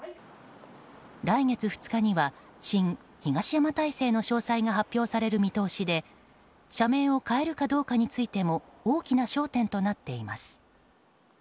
来月２日には新東山体制の詳細が発表される見通しで社名を変えるかどうかについても大きな焦点となっています。